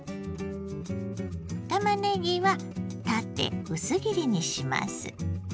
たまねぎは縦薄切りにします。